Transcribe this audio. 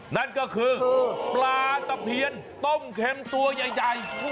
นั่นก็คือปลาตะเพียนต้มเข็มตัวใหญ่